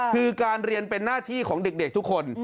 คือการเรียนเป็นหน้าที่ของเด็กทุกคน